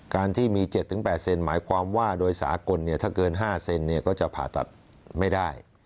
การที่มี๗๘เซนหมายความว่าโดยสากลถ้าเกิน๕เซนก็จะผ่าตัดไม่ได้